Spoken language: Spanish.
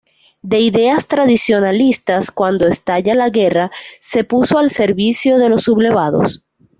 De ideas tradicionalistas cuando estalla la guerra, se puso al servicio de los sublevados.